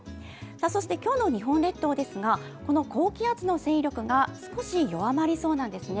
今日の日本列島ですがこの高気圧の勢力が少し弱まりそうなんですね。